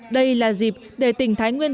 đây là dịp để tỉnh thái nguyên